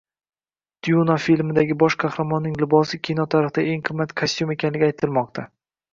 Dyuna filmidagi bosh qahramonning libosi kino tarixidagi eng qimmat kostyum ekani aytilmoqda